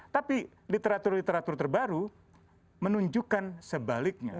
tapi literatur literatur terbaru menunjukkan sebaliknya